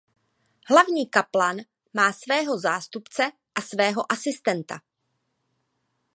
Hlavní kaplan má svého zástupce a svého asistenta.